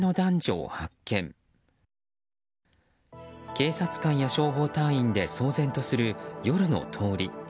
警察官や消防隊員で騒然とする夜の通り。